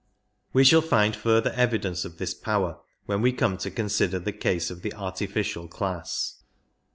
We shall find further evidence of this power when we come to consider the case of the artificial class.